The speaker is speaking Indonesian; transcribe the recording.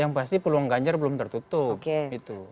yang pasti peluang ganjar belum tertutup gitu